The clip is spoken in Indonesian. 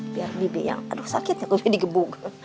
biar bebe yang aduh sakitnya gue udah di gebung